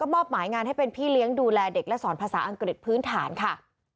มอบหมายงานให้เป็นพี่เลี้ยงดูแลเด็กและสอนภาษาอังกฤษพื้นฐานค่ะ